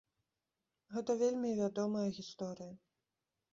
Гэта вельмі вядомая гісторыя.